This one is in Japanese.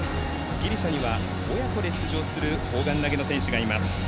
ギリシャには親子で出場する砲丸投げの選手がいます。